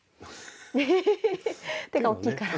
ヘヘヘ手が大きいから。